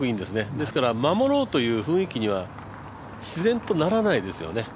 ですから守ろうという雰囲気には自然とならないですよね。